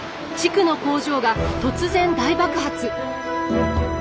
地区の工場が突然大爆発。